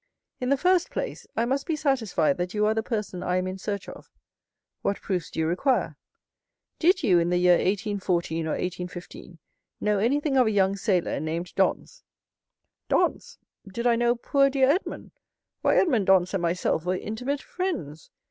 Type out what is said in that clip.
"In the first place, I must be satisfied that you are the person I am in search of." "What proofs do you require?" "Did you, in the year 1814 or 1815, know anything of a young sailor named Dantès?" "Dantès? Did I know poor dear Edmond? Why, Edmond Dantès and myself were intimate friends!"